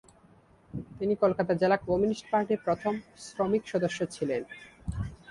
তিনি কলকাতা জেলা কমিউনিস্ট পার্টির প্রথম শ্রমিক সদস্য ছিলেন।